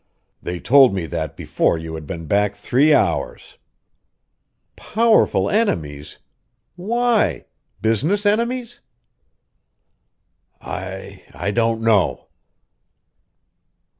They told me that before you had been back three hours." "Powerful enemies? Why? Business enemies?" "I I don't know."